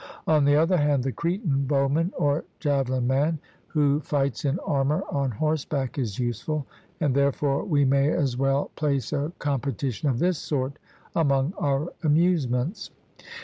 On the other hand, the Cretan bowman or javelin man who fights in armour on horseback is useful, and therefore we may as well place a competition of this sort among our amusements.